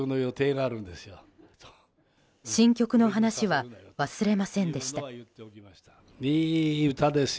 新曲の話は忘れませんでした。